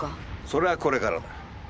それはこれからだ。